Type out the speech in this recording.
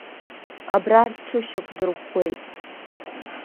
Абра рҽышьақәдырӷәӷәеит.